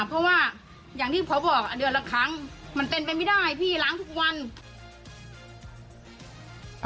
เพราะว่าอย่างที่เขาบอกเดือนละครั้งมันเป็นไปไม่ได้พี่ล้างทุกวัน